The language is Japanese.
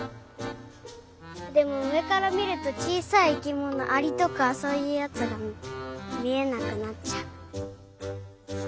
でもうえからみるとちいさい生きものアリとかそういうやつがみえなくなっちゃう。